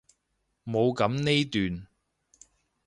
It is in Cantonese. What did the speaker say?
冇噉呢段！